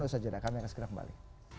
ustadz jadah kami akan segera kembali